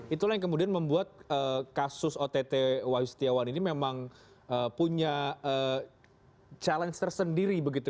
itulah yang kemudian membuat kasus ott wahyu setiawan ini memang punya challenge tersendiri begitu